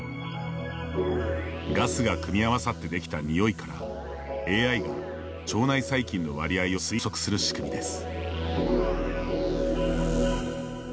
ガスが組み合わさって出来たにおいからＡＩが腸内細菌の割合を予測する仕組みです。